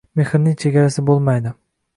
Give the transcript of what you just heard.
Mehrning chegarasi bo‘lmaydi